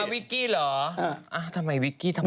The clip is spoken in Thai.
วิกกี้เหรอทำไมวิกกี้ทำไม